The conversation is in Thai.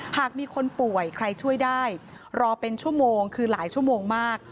หากมีคนป่วยใครช่วยได้รอเป็นชั่วโมงคือหลายชั่วโมงมาก